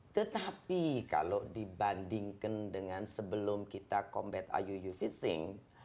tetapi kalau dibandingkan dengan sebelum kita combat iuu fishing